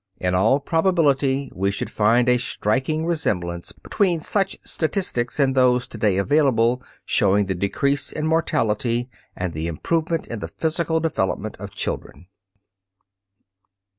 In all probability we should find a striking resemblance between such statistics and those to day available showing the decrease in mortality and the improvement in the physical development of children.